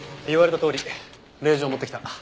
言われたとおり令状を持ってきた。